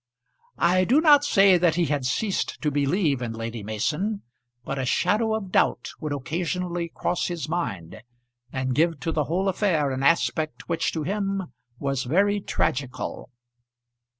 I do not say that he had ceased to believe in Lady Mason; but a shadow of doubt would occasionally cross his mind, and give to the whole affair an aspect which to him was very tragical.